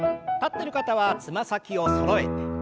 立ってる方はつま先をそろえて。